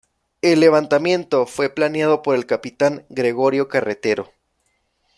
El levantamiento fue planeado por el capitán Gregorio Carretero.